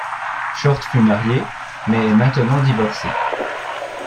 Short fut marié, mais est maintenant divorcé.